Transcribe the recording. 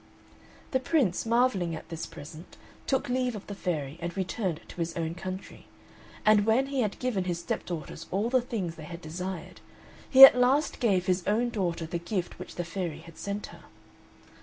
The Prince, marvelling at this present, took leave of the fairy, and returned to his own country. And when he had given his stepdaughters all the things they had desired, he at last gave his own daughter the gift which the fairy had sent her.